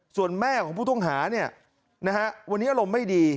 ส่วนแม่ของผู้ต้องหาวันนี้อารมณ์ไม่ดี